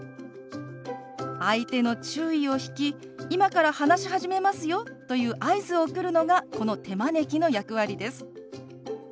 相手の注意を引き「今から話し始めますよ」という合図を送るのがこの手招きの役割です。